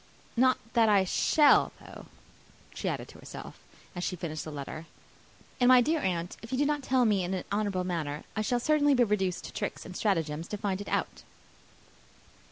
"Not that I shall, though," she added to herself, and she finished the letter; "and, my dear aunt, if you do not tell me in an honourable manner, I shall certainly be reduced to tricks and stratagems to find it out."